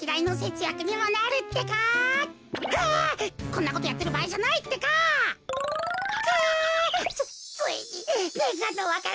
こんなことやってるばあいじゃないってか。か！